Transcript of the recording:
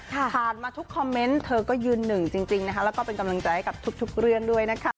ผ่านมาทุกคอมเมนต์เธอก็ยืนหนึ่งจริงนะคะแล้วก็เป็นกำลังใจให้กับทุกเรื่องด้วยนะคะ